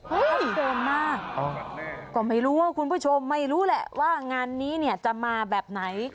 เฮ้ยแบบแน่ก็ไม่รู้ว่าคุณผู้ชมไม่รู้แหละว่างานนี้จะมาแบบไหน